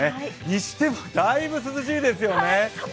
にしてもだいぶ涼しいですよね。